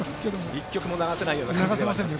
１曲も流せないような感じになっていますね。